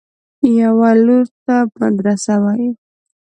يوه لور ته مدرسه وه.